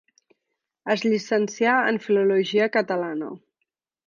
Es llicencià en Filologia Catalana.